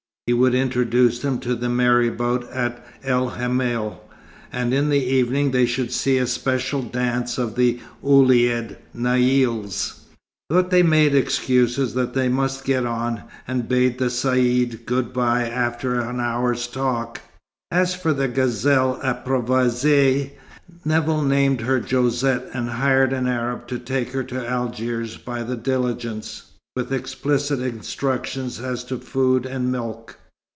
He would introduce them to the marabout at El Hamel, and in the evening they should see a special dance of the Ouled Naïls. But they made excuses that they must get on, and bade the Caïd good bye after an hour's talk. As for the gazelle approvoisée, Nevill named her Josette, and hired an Arab to take her to Algiers by the diligence, with explicit instructions as to food and milk.